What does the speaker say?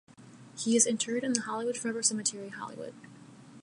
He is interred in the Hollywood Forever Cemetery, Hollywood.